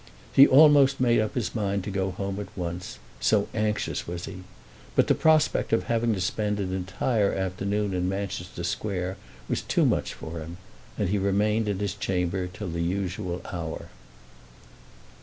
He almost made up his mind to go home at once, so anxious was he. But the prospect of having to spend an entire afternoon in Manchester Square was too much for him, and he remained in his chamber till the usual hour.